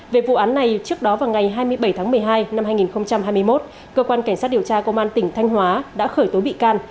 về vụ án này trước đó vào ngày hai mươi bảy tháng một mươi hai năm hai nghìn hai mươi một cơ quan cảnh sát điều tra công an tỉnh thanh hóa đã khởi tố bị can